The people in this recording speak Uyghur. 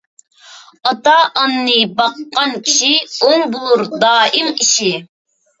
ئاتا - ئانىنى باققان كىشى، ئوڭ بولۇر دائىم ئىشى.